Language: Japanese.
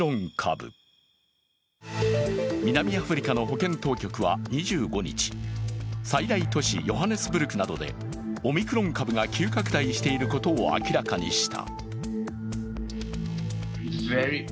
南アフリカの保健当局は２５日、最大都市ヨハネスブルクなどでオミクロン株が急拡大していることを明らかにした。